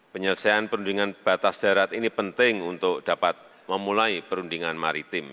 penyelesaian perundingan batas daerah ini penting untuk dapat memulai perundingan maritim